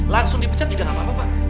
langsung dipecat juga gak apa apa pak